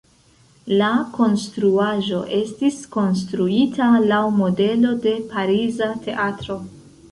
La konstruaĵo estis konstruita laŭ modelo de pariza teatro.